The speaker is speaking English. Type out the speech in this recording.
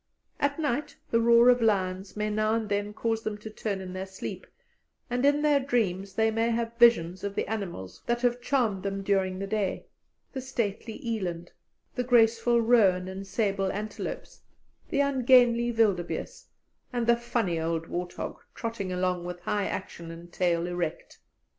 At night the roar of lions may now and then cause them to turn in their sleep, and in their dreams they may have visions of the animals that have charmed them during the day the stately eland, the graceful roan and sable antelopes, the ungainly wildebeeste, and the funny old wart hog, trotting along with high action and tail erect.